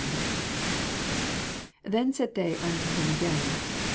26 Then said they to him again.